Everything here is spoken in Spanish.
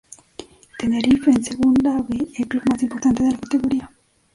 Tenerife en Segunda B, el club más importante de la categoría.